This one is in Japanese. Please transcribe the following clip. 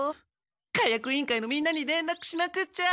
火薬委員会のみんなに連絡しなくっちゃ！